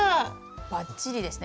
ばっちりですね。